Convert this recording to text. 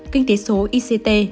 kinh tế số ict